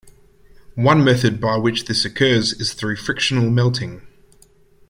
One method by which this occurs is through frictional melting.